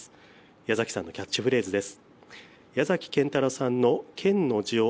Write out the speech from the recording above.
矢崎さんのキャッチフレーズです。